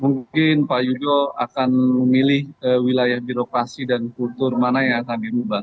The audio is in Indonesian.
mungkin pak yudo akan memilih wilayah birokrasi dan kultur mana yang akan dirubah